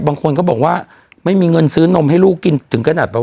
บางคนก็บอกว่าไม่มีเงินซื้อนมให้ลูกกินถึงขนาดแบบ